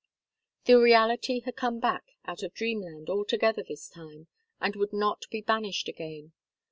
The reality had come back out of dreamland altogether this time, and would not be banished again.